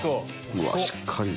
うわしっかり。